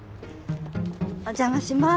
お邪魔します。